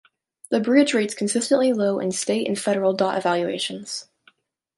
The bridge rates consistently low in state and federal dot evaluations.